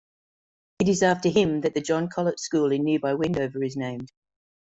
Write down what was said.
It is after him that the John Colet School in nearby Wendover is named.